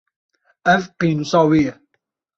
Ev, pênûsa wê ye.